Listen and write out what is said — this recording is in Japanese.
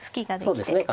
そうですね。